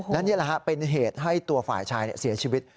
และนี่แหละฮะเป็นเหตุให้ตัวฝ่ายชายเสียชีวิต